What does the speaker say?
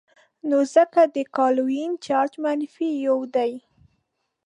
نو ځکه د کلوین چارج منفي یو دی.